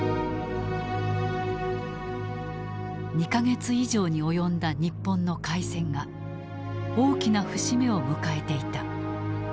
２か月以上に及んだ日本の開戦が大きな節目を迎えていた。